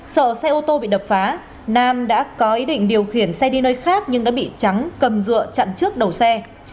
sợ xe ô tô bị đập phá nam đã có ý định điều khiển xe đi nơi khác nhưng đã bị trắng cầm dựa chặn trước đầu xe